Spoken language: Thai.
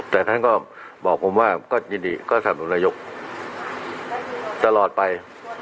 แต่ท่านก็บอกผมว่าก็ยินดีก็สนับสนุนนายกตลอดไป